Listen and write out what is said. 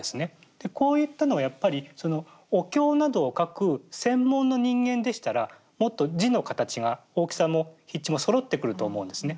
でこういったのはやっぱりお経などを書く専門の人間でしたらもっと字の形が大きさも筆致もそろってくると思うんですね。